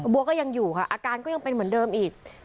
บัวก็ยังอยู่ค่ะอาการก็ยังเป็นเหมือนเดิมอีก